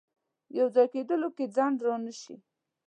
یو ځای کېدلو کې ځنډ رانه شي.